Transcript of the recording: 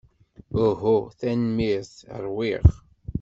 Uhu, tanemmirt. Ṛwiɣ.